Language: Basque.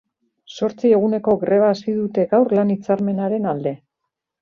Zortzi eguneko greba hasi dute gaur lan hitzarmenaren alde.